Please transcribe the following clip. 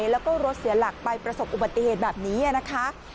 แล้วก็รถเสียหลักไปประสบอุบัติเหตุแบบนี้นะคะ